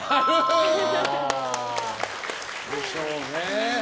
○！でしょうね。